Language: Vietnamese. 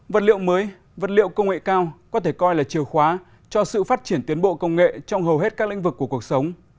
vật liệu mới vật liệu công nghệ cao có thể coi là chiều khóa cho sự phát triển tiến bộ công nghệ trong hầu hết các lĩnh vực của cuộc sống